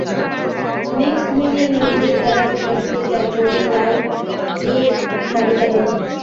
Next Media Limited দ্বারা প্রকাশিত যা জিমি লাই এর মালিকানাধীন।